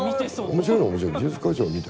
面白いのは面白い。